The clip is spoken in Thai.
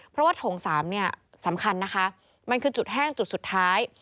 เพราะว่าโถง๓เนี่ยสำคัญนะคะมันคือจุดแห้งจุดสุดท้าย